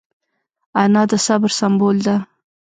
انا د صبر سمبول ده